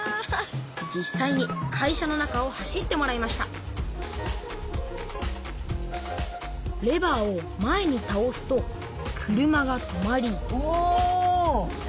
実さいに会社の中を走ってもらいましたレバーを前にたおすと車が止まりおお！